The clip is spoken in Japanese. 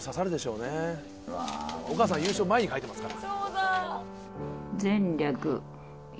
お母さん優勝前に書いてますから。